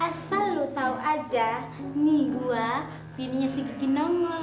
asal lo tahu aja nih gua pilihnya si kekinangan